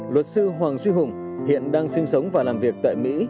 luật sư hoàng duy hùng hiện đang sinh sống và làm việc tại mỹ